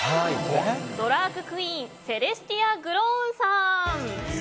ドラァグクイーンセレスティア・グロウンさん。